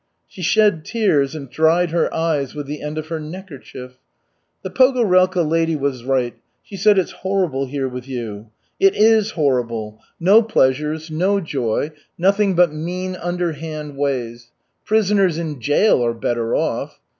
She shed tears and dried her eyes with the end of her neckerchief. "The Pogorelka lady was right; she said it's horrible here with you. It is horrible. No pleasures, no joy, nothing but mean, underhand ways. Prisoners in jail are better off.